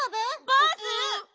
バース！